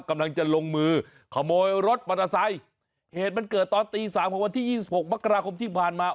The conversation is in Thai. กำลังจะลงมือขโมยรถปาราศัยเหตุมันเกิดตอนตี๓วันที่๒๖มกราคมที่ผ่านมา